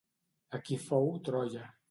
Aquí fou Troia.